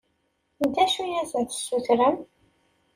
D acu i asen-d-tessutrem?